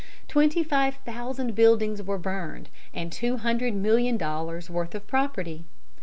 Twenty five thousand buildings were burned, and two hundred million dollars' worth of property.